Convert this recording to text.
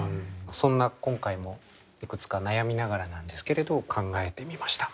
そんな今回もいくつか悩みながらなんですけれど考えてみました。